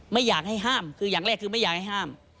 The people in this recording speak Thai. ไม่อยากให้ห้ามคืออย่างแรกคือไม่อยากให้ห้าม